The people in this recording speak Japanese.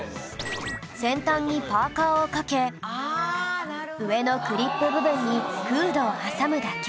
先端にパーカーをかけ上のクリップ部分にフードを挟むだけ